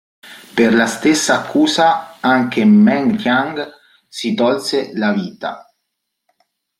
Per la stessa accusa, anche Meng Tian si tolse la vita.